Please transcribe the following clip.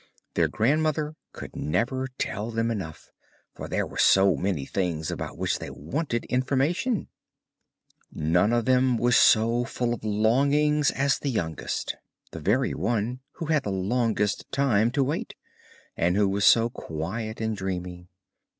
Their grandmother could never tell them enough, for there were so many things about which they wanted information. None of them was so full of longings as the youngest, the very one who had the longest time to wait, and who was so quiet and dreamy.